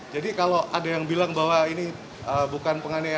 jadi kalau ada yang bilang bahwa ini bukan penganiayaan